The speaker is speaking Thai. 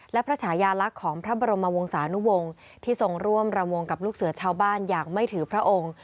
และพระชายาลักษณ์ของพระบรมวงศานุวงศ์ที่ทรงร่วมระวงกับลูกเสือชาวบ้านอย่างไม่ถือพระองค์